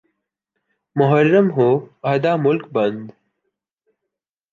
محرم ہو آدھا ملک بند۔